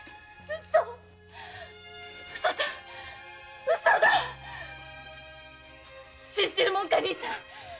うそだ信じるもんか兄さん。